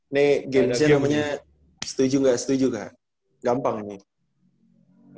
ini gamenya namanya setuju gak setuju kak gampang nih